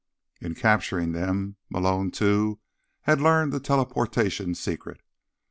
In capturing them, Malone, too, had learned the teleportation secret.